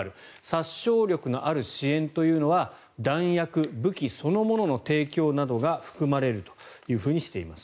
殺傷力のある支援というのは弾薬・武器そのものの提供などが含まれるというふうにしています。